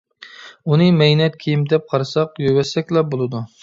ئۇنى مەينەت كىيىم دەپ قارىساق، يۇيۇۋەتسەكلا بولىدۇ.